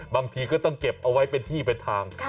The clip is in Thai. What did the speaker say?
บางทีก็ต้องเก็บเอาไว้เป็นที่เป็นทาง